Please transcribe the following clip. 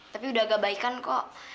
tapi udah agak baikan kok